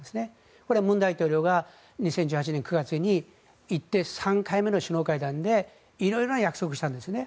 これは文大統領が２０１８年９月に行って３回目の首脳会談で色々な約束をしたんですね。